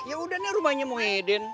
ya udah nih rumahnya mau eden